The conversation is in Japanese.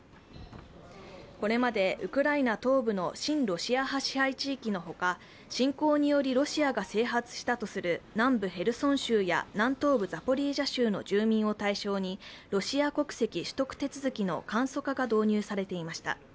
これまでウクライナ東部の親ロシア派支配地域のほか、侵攻によりロシアが制圧したとする南部ヘルソン州や南東部ザポリージャ州の住民を対象に、ロシア国籍取得手続きの簡素化が導入されていました。